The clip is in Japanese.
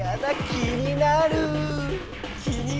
気になる？